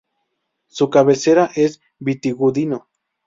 Su cabecera es Vitigudino.